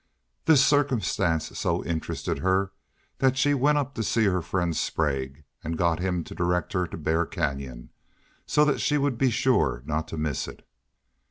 This circumstance so interested her that she went up to see her friend Sprague and got him to direct her to Bear Canyon, so that she would be sure not to miss it.